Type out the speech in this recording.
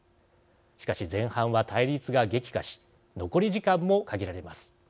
しかし前半は対立が激化し残り時間も限られます。